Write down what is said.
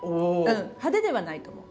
派手ではないと思う。